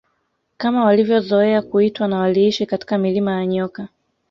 Kama walivyozoea kuitwa na waliishi katika milima ya nyoka